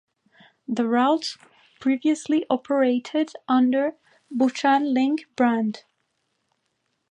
The routes previously operated under the "Buchan Link" brand.